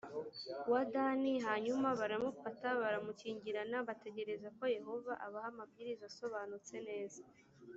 wa dani hanyuma baramufata baramukingirana bategereza koyehova abaha amabwiriza asobanutse neza